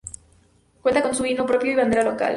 Cuenta con su himno propio y bandera local.